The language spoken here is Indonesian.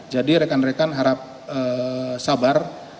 rekan rekan harap sabar